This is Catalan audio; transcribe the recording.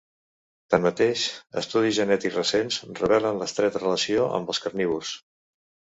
Tanmateix, estudis genètics recents revelaren l'estreta relació amb els carnívors.